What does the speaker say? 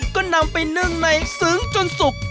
ก็นำไปนึ่งในซึ้งจนสุก